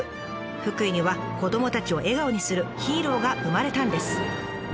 福井には子どもたちを笑顔にするヒーローが生まれたんです。